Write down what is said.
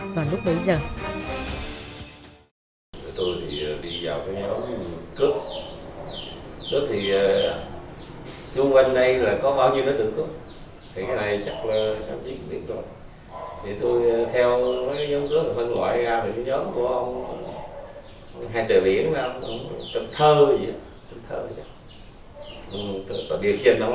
vào lúc bấy giờ